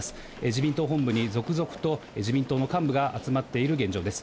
自民党本部に続々と自民党の幹部が集まっている現状です。